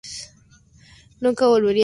Nunca volvería a China.